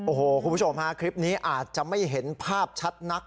โอ้โหคุณผู้ชมฮะคลิปนี้อาจจะไม่เห็นภาพชัดนัก